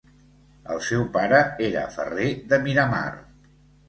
El seu pare era Ferrer de Miramar.